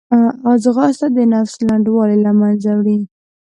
ځغاسته د نفس لنډوالی له منځه وړي